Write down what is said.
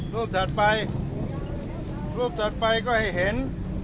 ถัดไปรูปถัดไปก็ให้เห็น